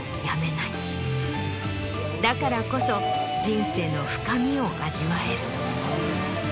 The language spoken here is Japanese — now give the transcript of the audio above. だからこそ人生の深みを味わえる。